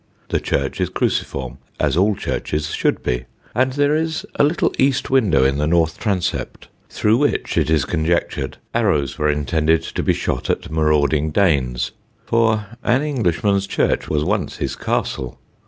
The church is cruciform, as all churches should be, and there is a little east window in the north transept through which, it is conjectured, arrows were intended to be shot at marauding Danes; for an Englishman's church was once his castle.